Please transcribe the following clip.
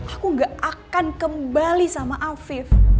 aku gak akan kembali sama afif